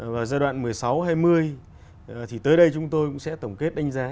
và giai đoạn một mươi sáu hai mươi thì tới đây chúng tôi cũng sẽ tổng kết đánh giá